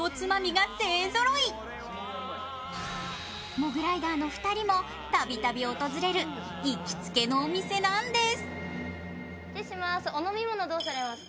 モグライダーの２人もたびたび訪れる行きつけのお店なんです。